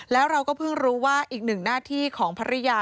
แล้วเราก็เพิ่งรู้ว่าอีกหนึ่งหน้าที่ของภรรยา